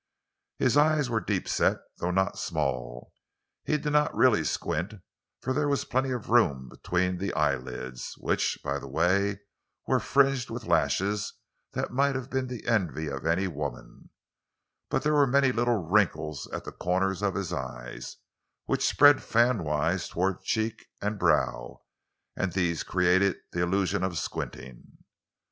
His eyes were deep set, though not small. He did not really squint, for there was plenty of room between the eyelids—which, by the way, were fringed with lashes that might have been the envy of any woman; but there were many little wrinkles at the corners of his eyes, which spread fanwise toward cheek and brow, and these created the illusion of squinting.